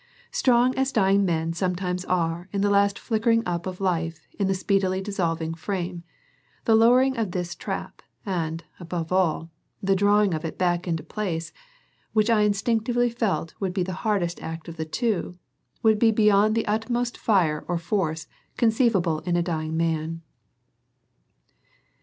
Strong as dying men sometimes are in the last flickering up of life in the speedily dissolving frame, the lowering of this trap, and, above all, the drawing of it back into place, which I instinctively felt would be the hardest act of the two, would be beyond the utmost fire or force conceivable in a dying man.